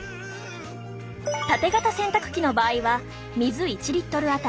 たて型洗濯機の場合は水１Ｌあたり